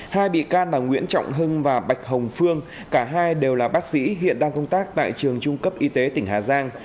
hai bị can là nguyễn trọng hưng và bạch hồng phương cả hai đều là bác sĩ hiện đang công tác tại trường trung cấp y tế tỉnh hà giang